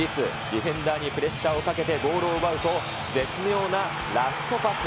ディフェンダーにプレッシャーをかけてボールを奪うと、絶妙なラストパス。